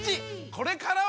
これからは！